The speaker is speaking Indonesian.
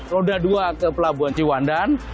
roda dua ke pelabuhan ciwandan